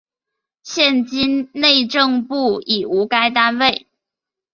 现今内政部已无该单位。